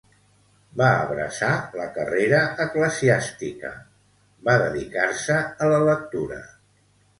Va abraçar la carrera eclesiàstica, va dedicar-se a la lectura.